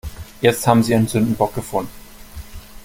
Jetzt haben sie ihren Sündenbock gefunden.